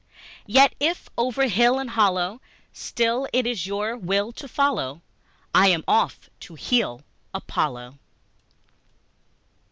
Yet if over hill and hollow Still it is your will to follow, I am off; to heel, Apollo!